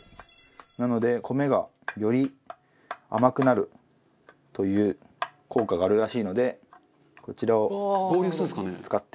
なので米がより甘くなるという効果があるらしいのでこちらを使って。